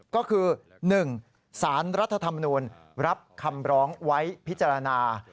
ก็คือ๑สารรัฐธรรมนูลรับคำร้องไว้พิจารณา